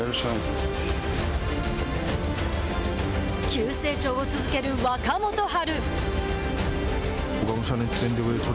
急成長を続ける若元春。